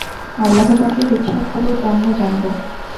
আল্লাহপাকের ইচ্ছার খবর কেমনে জানব?